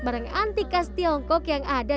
barang antik khas tiongkok yang ada